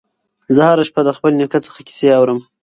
زه هره شپه د خپل نیکه څخه کیسې اورم.